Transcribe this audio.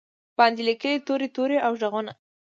باندې لیکې توري، توري او ږغونه